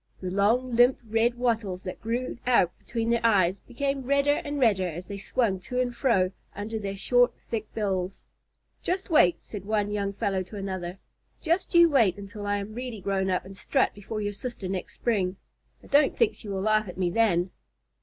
The long, limp red wattles that grew out between their eyes became redder and redder as they swung to and fro under their short, thick bills. "Just wait," said one young fellow to another. "Just you wait until I am really grown up and strut before your sister next spring. I don't think she will laugh at me then."